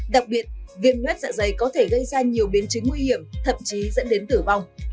đặc biệt viêm luet dạ dày có thể gây ra nhiều biến chứng nguy hiểm thậm chí dẫn đến tử vong